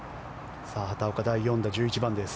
畑岡、第４打１１番です。